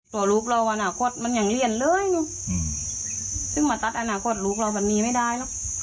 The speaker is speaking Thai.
ตัวลูกเราอนาคตมันยังเรียนเลยซึ่งมาตัดอนาคตลูกเราแบบนี้ไม่ได้หรอก